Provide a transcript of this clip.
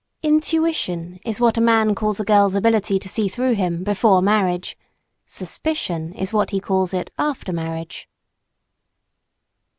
"Intuition" is what a man calls a girl's ability to see through him, before marriage; "suspicion" is what he calls it, after marriage.